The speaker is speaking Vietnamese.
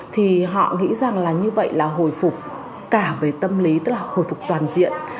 thì họ nghĩ rằng là như vậy là hồi phục cả về tâm lý tức là hồi phục toàn diện